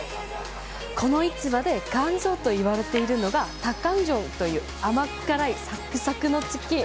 この市場で元祖と言われているのが、タッカンジョンという甘辛い、サクサクのチキン！